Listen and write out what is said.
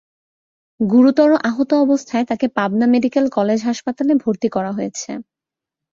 গুরুতর আহত অবস্থায় তাঁকে পাবনা মেডিকেল কলেজ হাসপাতালে ভর্তি করা হয়েছে।